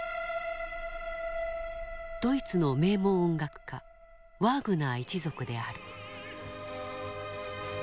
ドイツの名門音楽家ワーグナー一族である。